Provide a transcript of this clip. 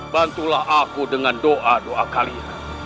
bantulah aku dengan doa doa kalian